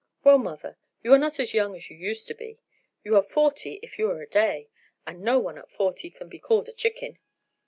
"Well, mother, you are not as young as you used to be. You are forty, if you are a day, and no one at forty can be called a chicken.